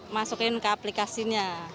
masukin ke aplikasinya